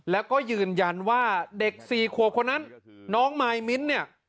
แล้วก็ยืนยันว่าเด็ก๔ขวบคนนั้นน้องมายมิ้นท์เนี่ย